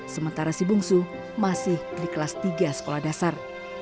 sementara si bungsu masih di kelas tiga sekolah dasar